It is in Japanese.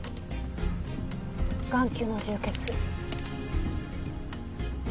眼球の充血。